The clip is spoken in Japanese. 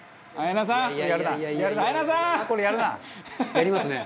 やりますね。